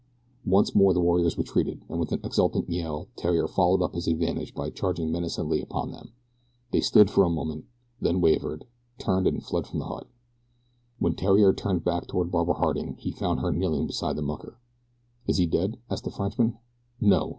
Once more the warriors retreated, and with an exultant yell Theriere followed up his advantage by charging menacingly upon them. They stood for a moment, then wavered, turned and fled from the hut. When Theriere turned back toward Barbara Harding he found her kneeling beside the mucker. "Is he dead?" asked the Frenchman. "No.